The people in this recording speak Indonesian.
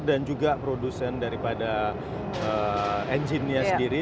juga produsen daripada engine nya sendiri